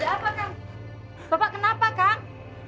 bapak kenapa kang